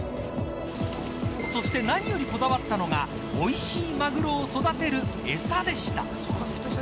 そして何よりこだわったのがおいしいマグロを育てる餌でした。